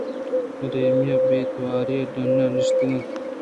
ایمیلیا پہ بے تواری ڈنّءَ نشتگ اَت